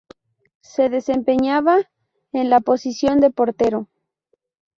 Se desempeñaba en la posición de portero.